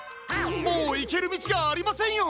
もういけるみちがありませんよ！